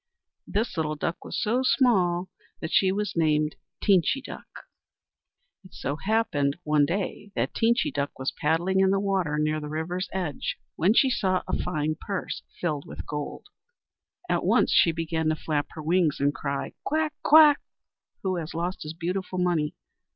This little duck was so small that she was named Teenchy Duck. [Footnote 8: Translated from the French by Joel Chandler Harris.] It so happened one day that Teenchy Duck was paddling in the water near the river's edge when she saw a fine purse filled with gold. At once she began to flap her wings and cry: "Quack! quack! Who has lost his beautiful money?